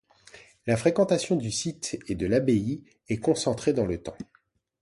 La fréquentation du site et de l'abbaye est concentrée dans le temps.